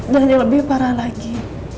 dan yang lebih parah lagi